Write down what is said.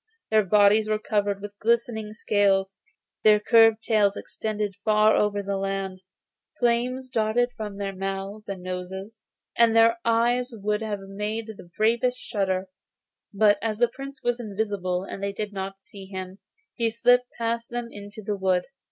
Their bodies were covered with glittering scales; their curly tails extended far over the land; flames darted from their mouths and noses, and their eyes would have made the bravest shudder; but as the Prince was invisible and they did not see him, he slipped past them into the wood.